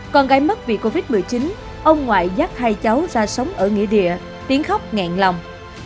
con gái mất vì covid một mươi chín ông ngoại dắt hai cháu ra sống ở nghỉ địa tiếng khóc ngẹn lòng